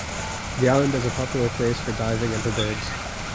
The island is a popular place for diving and for birds.